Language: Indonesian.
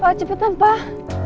pak cepetan pak